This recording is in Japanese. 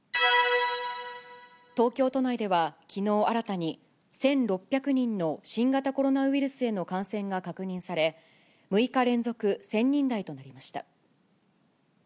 東京都内ではきのう新たに１６００人の新型コロナウイルスへの感染が確認され、６日連続１０００人台となりました。